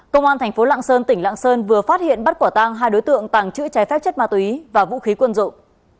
công an tp lạng sơn tỉnh lạng sơn vừa phát hiện bắt quả tang hai đối tượng tàng chữ trái phép chất ma túy và vũ khí quân dụng